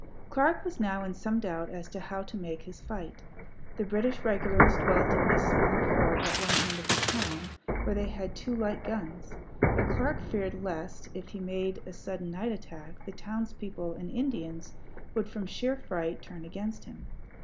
Clark was now in some doubt as to how to make his fight. The British regulars dwelt in a small fort at one end of the town, where they had two light guns; but Clark feared lest, if he made a sudden night attack, the townspeople and Indians would from sheer fright turn against him.